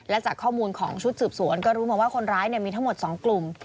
และจากข้อมูลของชุดสืบสวนก็รู้มาว่าคนร้ายมีทั้งหมด๒กลุ่ม